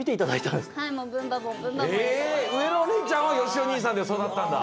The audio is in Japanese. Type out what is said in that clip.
うえのおねえちゃんはよしお兄さんでそだったんだ。